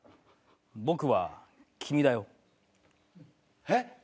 僕は君だよ。えっ？